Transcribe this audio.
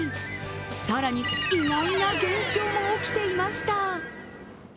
更に意外な現象も起きていました。